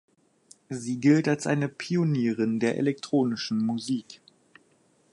Sie gilt als eine Pionierin der elektronischen Musik.